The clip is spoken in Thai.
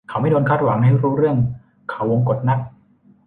เขาไม่โดนคาดหวังให้รู้เรื่องเขาวงกตนัก